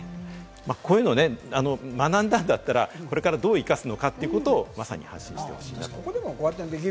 こういうのを学んだんだったら、これからどう生かすのかということをまさに発信してほしいなと。